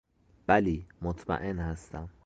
بلی مطمئن هستم.